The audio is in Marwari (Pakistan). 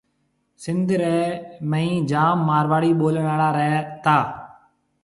سندھ رَي مئين جام مارواڙي ٻولڻ اݪا رَي تا